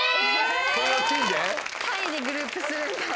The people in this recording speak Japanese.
・下位でグループするんだ。